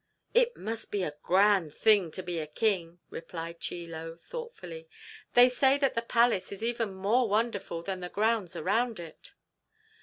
"It must be a grand thing to be a king," replied Chie Lo, thoughtfully. "They say that the palace is even more wonderful than the grounds around it.